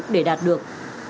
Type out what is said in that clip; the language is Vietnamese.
để đạt được